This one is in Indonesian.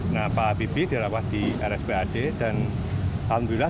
nah pak habibie dirawat di rspad dan alhamdulillah